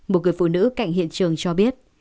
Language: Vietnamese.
một người phụ nữ cạnh hiện trường cho biết